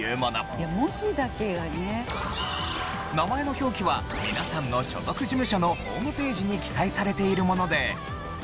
名前の表記は皆さんの所属事務所のホームページに記載されているもので。